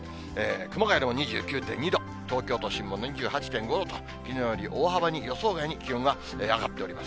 熊谷でも２９．２度、東京都心も２８．５度と、きのうより大幅に、予想外に気温は上がっております。